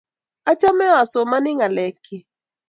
Achame asomani ngalekyik